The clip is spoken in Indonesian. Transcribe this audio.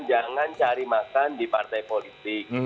jangan cari makan di partai politik